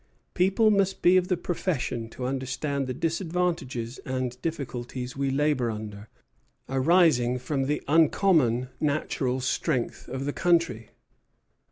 People must be of the profession to understand the disadvantages and difficulties we labor under, arising from the uncommon natural strength of the country."